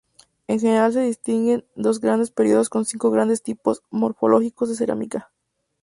En general se distinguen dos grandes períodos con cinco grandes tipos morfológicos de cerámica.